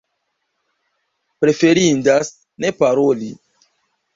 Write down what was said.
Preferindas ne paroli.